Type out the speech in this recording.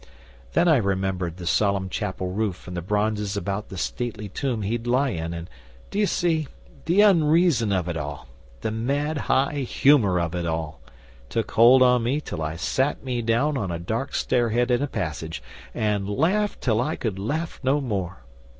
Then I remembered the solemn chapel roof and the bronzes about the stately tomb he'd lie in, and d'ye see? the unreason of it all the mad high humour of it all took hold on me till I sat me down on a dark stair head in a passage, and laughed till I could laugh no more.